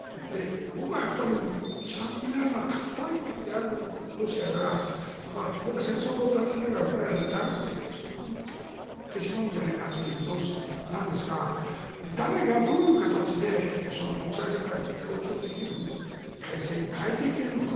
僕は一番気になるのは核大国であるロシアが僕は戦争を、残念ながらウクライナは長く続いてしまうんじゃないかという見通しなんですが誰がどういう形で国際社会と強調できる体制に変えていけるのか。